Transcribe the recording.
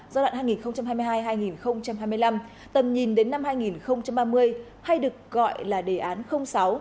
giai đoạn hai nghìn hai mươi hai hai nghìn hai mươi năm tầm nhìn đến năm hai nghìn ba mươi hay được gọi là đề án sáu